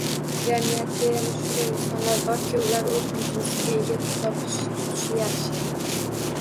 Jamiyatda yana shunday insonlar borki, ular o‘z biznesiga ega, topish-tutishi yaxshi.